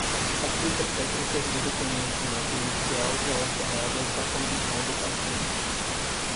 Aplica técnicas de reconhecimento inicial relacionadas à condição do paciente.